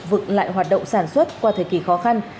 vực lại hoạt động sản xuất qua thời kỳ khó khăn